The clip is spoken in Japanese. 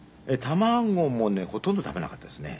卵もねほとんど食べなかったですね。